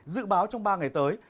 dự báo trong ba ngày tới